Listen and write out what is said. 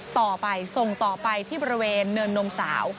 ต่อไปส่งต่อไปที่บริเวณเนินนมสาว